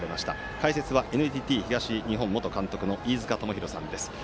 解説はＮＴＴ東日本元監督の飯塚智広さんです。